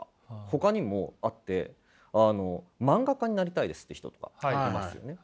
ほかにもあってあの漫画家になりたいですって人とかいますよね。